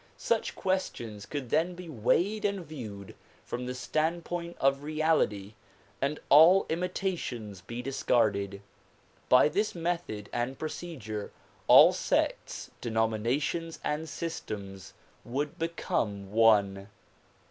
Such questions could then be weighed and viewed from the standpoint of reality and all imitations be discarded. By this method and procedure all sects, denominations and systems would become one.